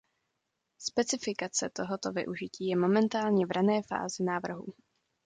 Specifikace tohoto využití je momentálně v rané fázi návrhu.